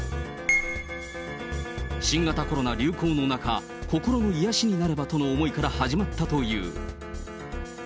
新型コロナ流行の中、心の癒やしになればとの思いから始まったという。